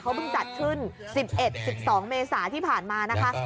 เขาเพิ่งจัดขึ้นสิบเอ็ดสิบสองเมษาที่ผ่านมานะคะ